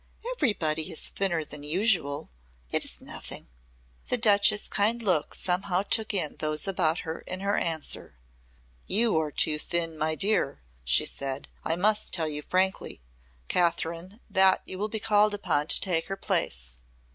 "Everybody is thinner than usual. It is nothing." The Duchess' kind look somehow took in those about her in her answer. "You are too thin, my dear," she said. "I must tell you frankly, Kathryn, that you will be called upon to take her place.